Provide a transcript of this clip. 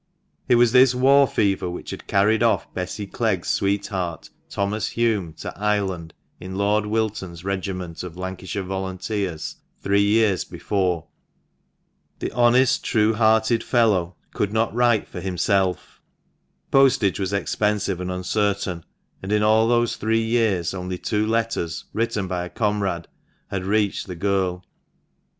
It was this war fever which had carried off Bessy Clegg's sweetheart, Thomas Hulme, to Ireland, in Lord Wilton's Regiment ' SEVEN STARS' — INTERIOR. THE MANCHESTER MAN. 31 of Lancashire Volunteers, three years before. The honest, true hearted fellow could not write for himself, postage was expensive and uncertain, and in all those three years only two letters, written by a comrade, had reached the girl.